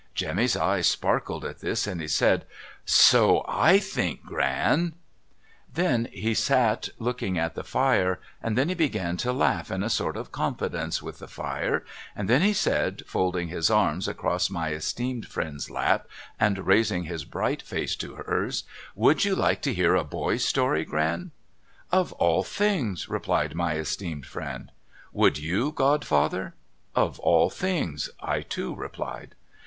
Jemmy's eyes sparkled at this, and he said, ' So / think, Gran.' 350 MRS. LIRRIPER'S LODGINGS Then he sat lookinc,' at the fire, and then he began to laugh in a sort of confidence with the fire, and then he said, folding his arms across my esteemed friend's lap, and raising his bright face to hers :' Would you like to hear a boy's story, Gran ?'' Of all things,' replied my esteemed friend. ' Would you, godfather?' ' Of all things,' I too replied.